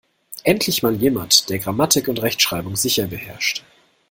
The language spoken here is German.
Endlich mal jemand, der Grammatik und Rechtschreibung sicher beherrscht!